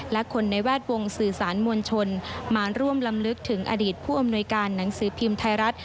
และคนในแวดวงสื่อสารมวลชนมาร่วมลำลึกถึงอดีตผู้อำนวยการหนังสือพิมพ์ไทยรัฐ